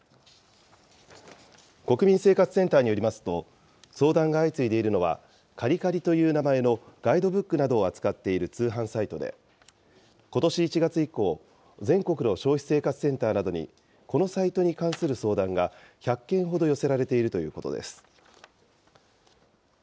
国民生活センターによりますと、相談が相次いでいるのは、ＣａｌｌｉーＣａｌｌｉという名前のガイドブックなどを扱っている通販サイトで、ことし１月以降、全国の消費生活センターなどに、このサイトに関する相談が１００件ほど寄せられているということです。